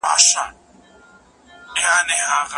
سوله له شخړو څخه ډېره غوره ده.